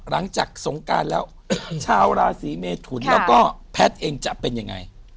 หลังจากสงการแล้วชาวราศีเมทุนแล้วก็แพทย์เองจะเป็นยังไง